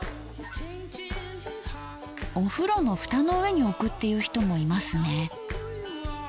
お風呂のフタの上に置くっていう人もいますね。